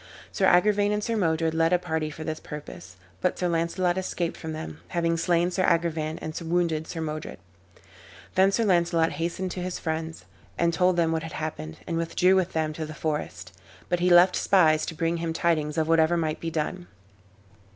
Sir Agrivain and Sir Modred led a party for this purpose, but Sir Launcelot escaped from them, having slain Sir Agrivain and wounded Sir Modred. Then Sir Launcelot hastened to his friends, and told them what had happened, and withdrew with them to the forest; but he left spies to bring him tidings of whatever might be done.